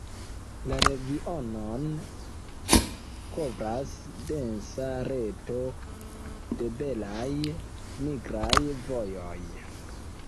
La regionon kovras densa reto de belaj migraj vojoj.